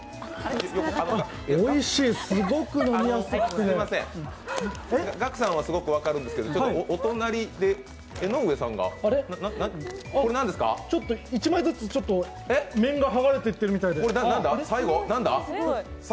すみません、ガクさんはすごく分かるんですけど、お隣で江上さんが１枚ずつちょっと面が剥がれていっているみたいです。